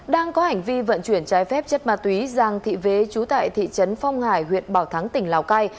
đang có hành vi vận chuyển trái phép chất ma túy giàng thị vế chú tại thị trấn phong hải huyện bảo thắng tỉnh lào cai